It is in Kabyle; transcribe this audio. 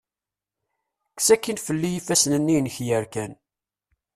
Kkes akin fell-i ifassen-nni inek yerkan.